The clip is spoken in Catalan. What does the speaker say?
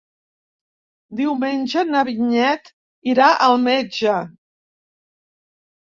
Diumenge na Vinyet irà al metge.